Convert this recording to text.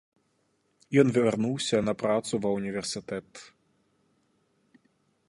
Ён вярнуўся на працу ва ўніверсітэт.